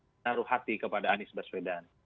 menaruh hati kepada anies baswedan